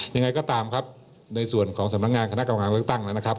ยังไงก็ตามครับในส่วนของสำนักงานคณะกรรมการเลือกตั้งนะครับ